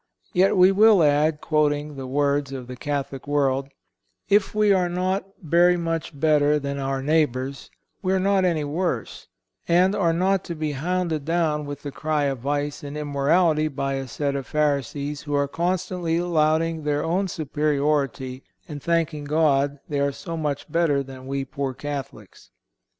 Yet we will add, quoting the words of the Catholic World: "If we are not very much better than our neighbors, we are not any worse; and are not to be hounded down with the cry of vice and immorality by a set of Pharisees who are constantly lauding their own superiority and thanking God they are so much better than we poor Catholics."